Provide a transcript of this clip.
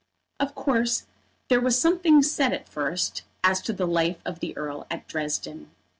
Of course there was something said at first as to the life of the Earl at Dresden.